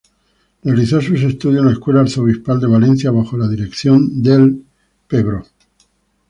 Realizo sus estudios en la Escuela Arzobispal de Valencia, bajo la dirección del Pbro.